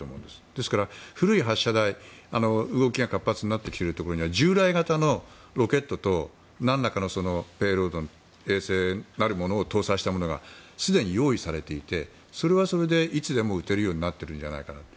ですから、古い発射台、動きが活発になってきているところには従来型のロケットと何らかの衛星を搭載したものがすでに用意されていてそれはそれでいつでも打てるようになっているのではないかと。